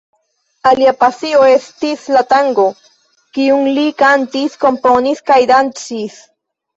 Alia pasio estis la tango, kiun li kantis, komponis kaj dancis.